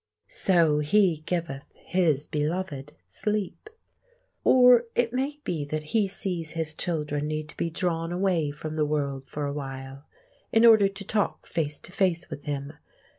So He giveth His beloved sleep. Or it may be that He sees His children need to be drawn away from the world for a while, in order to talk face to face with Him.